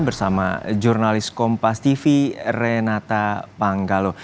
bersama jurnalis kompas tv renata panggalo